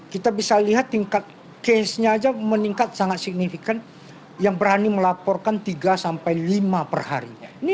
kita bisa lihat tingkat case nya aja meningkat sangat signifikan yang berani melaporkan tiga sampai lima per hari